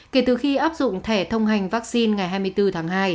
kể từ khi áp dụng thẻ thông hành vaccine ngày hai mươi bốn tháng hai